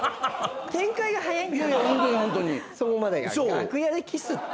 楽屋でキスって。